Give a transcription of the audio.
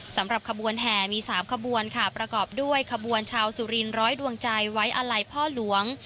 สำหรับขบวนแห่มี๓ขบวนค่ะประกอบด้วยขบวนชาวสุรินร้อยดวงใจไว้อาลัยพ่อหลวง